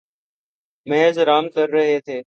محض آرام کررہے تھے